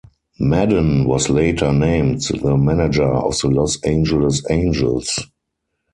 Maddon was later named the manager of the Los Angeles Angels.